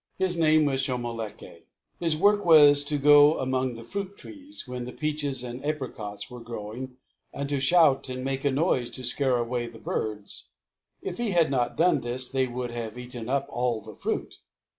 His name was Shomolekae. His work was to go among the fruit trees, when the peaches and apricots were growing and to shout and make a noise to scare away the birds. If he had not done this they would have eaten up all the fruit.